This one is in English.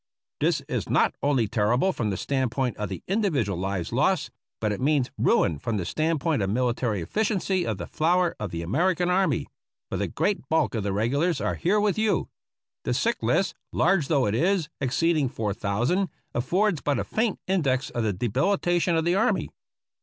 This is not only terrible from the stand point of the individual lives lost, but it means ruin from the stand point of military efficiency of the flower of the American army, for the great bulk of the regulars are here with you. Th sick list, large though it is, exceeding four thousand, affords but a faint index of the debilitation of the army.